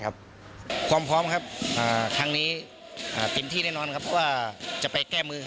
ก็คงความพร้อมสามารถติดที่จะแก้มือ